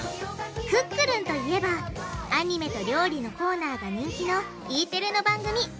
クックルンといえばアニメと料理のコーナーが人気のＥテレの番組。